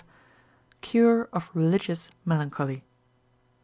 V.—Cure of Religious Melancholy.